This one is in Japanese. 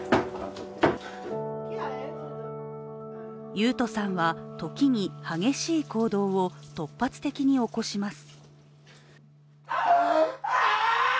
雄斗さんは時に激しい行動を突発的に起こします。